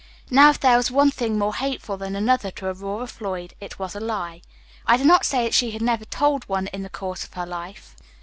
Now if there was one thing more hateful than another to Aurora Floyd, it was a lie. I do not say that she had never told one in the course of her life.